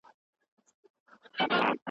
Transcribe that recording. که موږ څېړنه وکړو ستونزو ته به د حل لاري ومومو.